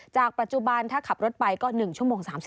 ปัจจุบันถ้าขับรถไปก็๑ชั่วโมง๓๐